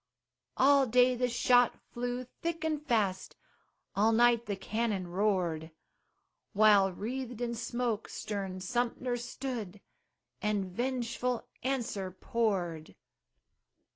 All day the shot flew thick and fast, All night the cannon roared, While wreathed in smoke stern Sumter stood, And vengeful answer poured.